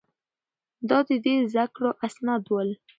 دا د ده د زده کړو اسناد ول.